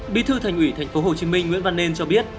bí thư thành ủy tp hcm nguyễn văn nên cho biết